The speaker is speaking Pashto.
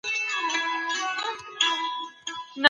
اور وژونکو د پیښو پر مهال چټک غبرګون ښود.